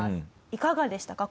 いかがでしたか？